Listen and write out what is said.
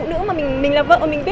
để đi tao cho mày xem